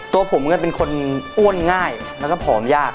ตัวผมเป็นคนอ้วนง่ายแล้วก็ผอมยาก